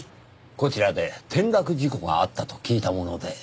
こちらで転落事故があったと聞いたもので。